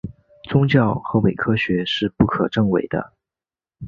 宗教和伪科学是不可证伪的。